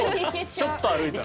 ちょっと歩いたら。